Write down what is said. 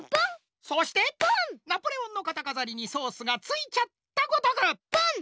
そしてナポレオンのかたかざりにソースがついちゃったごとく。